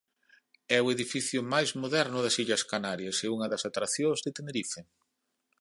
É o edificio máis moderno nas Illas Canarias e unha das atraccións de Tenerife.